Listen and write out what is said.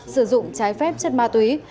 sử dụng trái phép chất ma túy